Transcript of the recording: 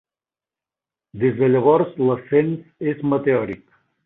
Des de llavors, l'ascens és meteòric.